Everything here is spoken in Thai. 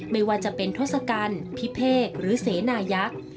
ไม่ว่าจะเป็นทศกัณฐ์พิเภกหรือเสนายักษ์